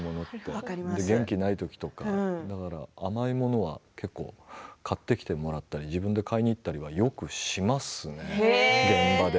元気がないときとか甘いものは結構買ってきてもらったり自分で買いに行ったりもよくしていますね、現場で。